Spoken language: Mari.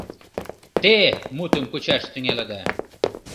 Те мутым кучаш тӱҥалыда!